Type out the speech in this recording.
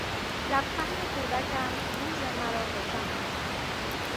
لبخند کودکم روز مرا روشن میکند.